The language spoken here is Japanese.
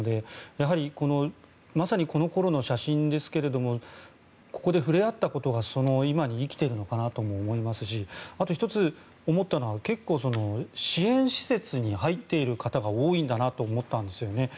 やはりまさにこのころの写真ですけどここで触れ合ったことが今に生きてるのかなとも思いますしあと１つ、思ったのが結構、支援施設に入っている方が多いんだなと思ったんですよね。